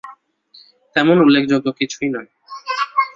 তেমন উল্লেখযোগ্য কিছুই নয়।